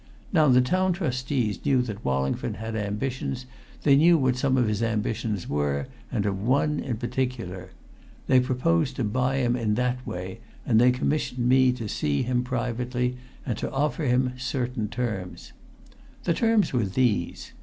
Now, the Town Trustees knew that Wallingford had ambitions; they knew what some of his ambitions were, and of one in particular. They proposed to buy him in that way, and they commissioned me to see him privately and to offer him certain terms. "The terms were these.